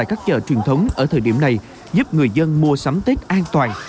các chợ truyền thống ở thời điểm này giúp người dân mua sắm tết an toàn